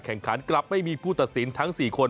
กลับไม่มีผู้ตัดสินทั้ง๔คน